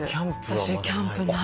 私キャンプない。